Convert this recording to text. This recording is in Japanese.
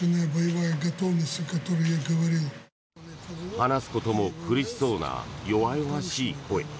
話すことも苦しそうな弱々しい声。